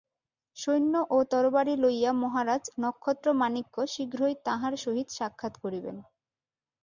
সৈন্য ও তরবারি লইয়া মহারাজ নক্ষত্রমাণিক্য শীঘ্রই তাঁহার সহিত সাক্ষাৎ করিবেন।